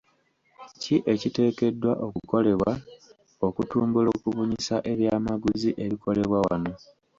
Ki ekiteekeddwa okukolebwa okutumbula okubunyisa ebyamaguzi ebikolebwa wano?